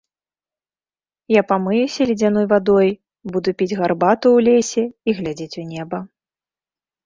Я памыюся ледзяной вадой, буду піць гарбату ў лесе і глядзець у неба.